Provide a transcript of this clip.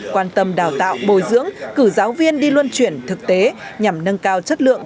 quan tâm đào tạo bồi dưỡng cử giáo viên đi luân chuyển thực tế nhằm nâng cao chất lượng